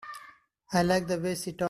I like the way she talks.